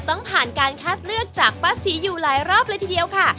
ต้องผ่านการคัดเลือกจากป้าศรีอยู่หลายรอบเลยทีเดียวค่ะ